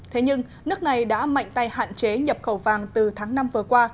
thế nhưng nước này đã mạnh tay hạn chế nhập khẩu vàng từ tháng năm vừa qua